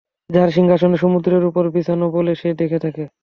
যার সিংহাসন সমুদ্রের উপর বিছানো বলে সে দেখে থাকে।